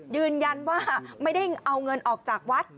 ยืนยันว่าไม่ได้เอาเงินออกจากวัด